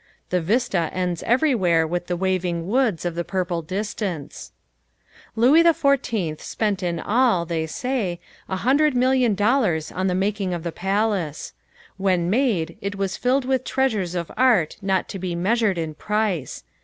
The vista ends everywhere with the waving woods of the purple distance. Louis XIV spent in all, they say, a hundred million dollars on the making of the palace. When made it was filled with treasures of art not to be measured in price.